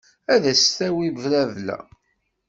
Ad as-d-tawi blabla.